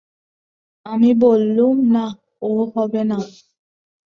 আমি বললুম, না, ও হবে না।